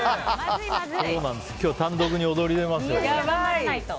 今日、単独に躍り出ますよ。